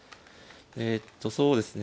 えっとそうですね